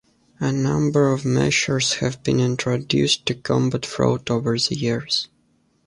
A number of measures have been introduced to combat fraud over the years.